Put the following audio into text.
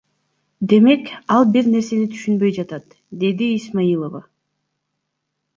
Демек, ал бир нерсени түшүнбөй жатат, — деди Исмаилова.